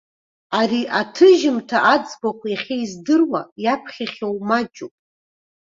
Ари аҭыжьымҭа аӡбахә иахьа издыруа, иаԥхьахьоу маҷуп.